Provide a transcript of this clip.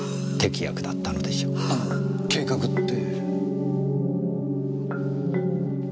あの計画って？